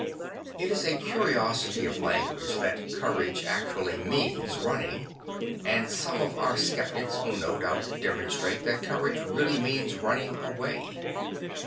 It is a curiosity of language that courage actually means running; and some of our sceptics will no doubt demonstrate that courage really means running away.